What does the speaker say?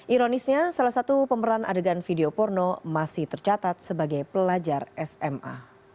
ironisnya salah satu pemeran adegan video porno masih tercatat sebagai pelajar sma